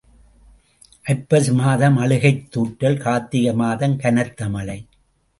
ஐப்பசி மாதம் அழுகைத் துாற்றல் கார்த்திகை மாதம் கனத்த மழை.